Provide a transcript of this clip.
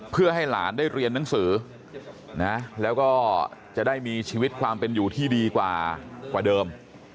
เพื่อให้หลานได้เรียนหนังสือนะแล้วก็จะได้มีชีวิตความเป็นอยู่ที่ดีกว่าเดิม